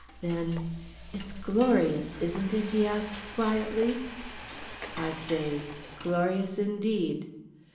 Then—"it's glorious, isn't it?" he asks quietly. I say "Glorious indeed."